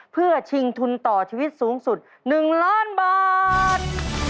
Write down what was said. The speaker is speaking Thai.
เพื่อชิงทุนต่อชีวิตสูงสุด๑ล้านบาท